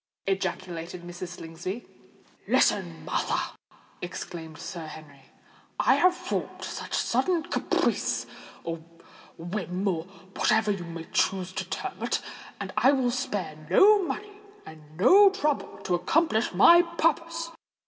ejaculated Mrs. Slingsby. "Listen, Martha," exclaimed Sir Henry. "I have formed this sudden caprice—or whim—or whatever you may choose to term it; and I will spare no money and no trouble to accomplish my purpose.